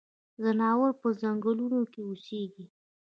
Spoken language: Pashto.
ځناور پۀ ځنګلونو کې اوسيږي.